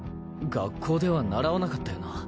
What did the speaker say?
学校では習わなかったよな。